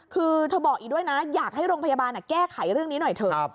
คือเธอบอกอีกด้วยนะอยากให้โรงพยาบาลแก้ไขเรื่องนี้หน่อยเถอะ